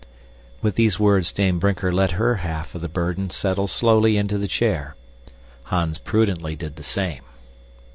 With these words Dame Brinker let her half of the burden settle slowly into the chair. Hans prudently did the same.